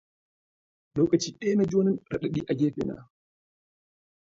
Lokaco ɗaya na ji wani raɗaɗi a gefena.